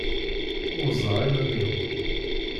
Urzeɣ iman-iw.